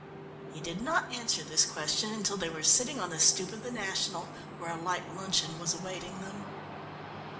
He did not answer this question until they were sitting on the stoep of the National, where a light luncheon was awaiting them.